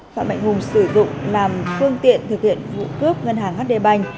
phạm mạnh hùng sử dụng làm phương tiện thực hiện vụ cướp ngân hàng hd bành